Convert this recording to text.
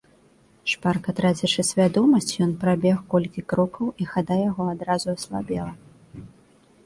Шпарка трацячы свядомасць, ён прабег колькі крокаў, і хада яго адразу аслабела.